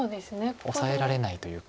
オサえられないというか。